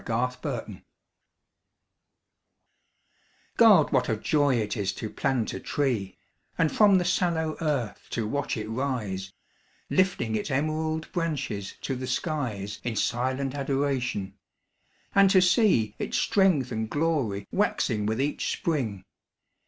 GO PLANT A TREE God, what a joy it is to plant a tree, And from the sallow earth to watch it rise, Lifting its emerald branches to the skies In silent adoration; and to see Its strength and glory waxing with each spring.